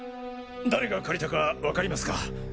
誰が借りたかわかりますか？